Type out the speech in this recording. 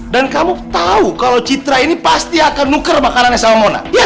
dan kamu tahu kalau citra ini pasti akan nuker makanan sama mona iya kan